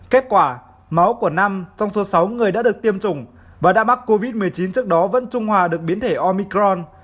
kết quả máu của năm trong số sáu người đã được tiêm chủng và đã mắc covid một mươi chín trước đó vẫn trung hòa được biến thể omicron